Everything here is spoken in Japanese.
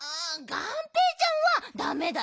がんぺーちゃんはだめだよ。